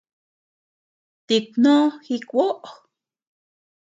Tikunó ji kuoʼo.